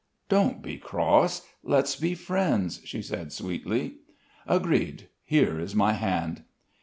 "Don't be cross. Let's be friends," she said, sweetly. "Agreed! Here is my hand."